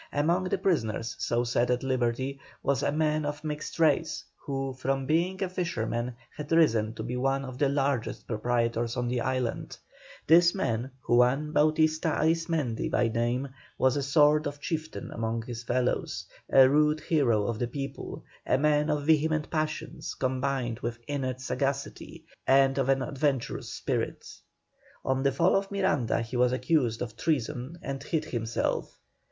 Among the prisoners so set at liberty was a man of mixed race, who from being a fisherman had risen to be one of the largest proprietors on the island. This man, Juan Bauptista Arismendi by name, was a sort of chieftain among his fellows, a rude hero of the people, a man of vehement passions combined with innate sagacity, and of an adventurous spirit. On the fall of Miranda he was accused of treason and hid himself.